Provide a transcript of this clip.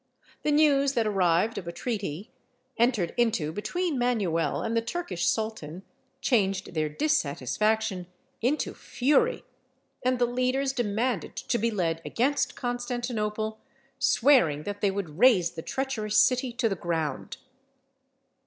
The news that arrived of a treaty entered into between Manuel and the Turkish sultan changed their dissatisfaction into fury, and the leaders demanded to be led against Constantinople, swearing that they would raze the treacherous city to the ground.